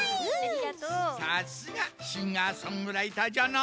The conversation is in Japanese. うん。